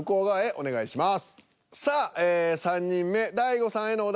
お願いします。